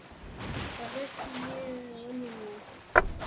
په غېږ کې يې ونيو.